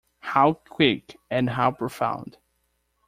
How quick, and how profound!